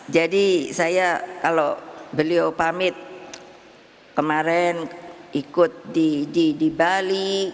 jadi saya kalau beliau pamit kemarin ikut di bali